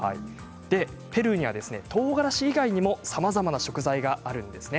ペルーにはとうがらし以外にもさまざまな食材があるんですね。